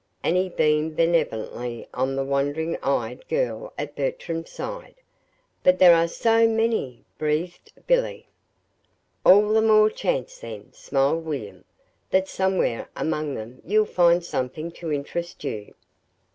And he beamed benevolently on the wondering eyed girl at Bertram's side. "But there are so many!" breathed Billy. "All the more chance then," smiled William, "that somewhere among them you'll find something to interest you.